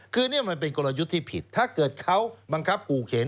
คือนี่มันเป็นกลยุทธ์ที่ผิดถ้าเกิดเขาบังคับขู่เข็น